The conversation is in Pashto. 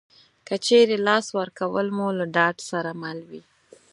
که چېرې لاس ورکول مو له ډاډ سره مل وي